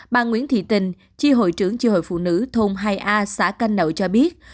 bà nguyễn thị tình chi hội trưởng chi hội phụ nữ thôn hai a xã canh nợ cho biết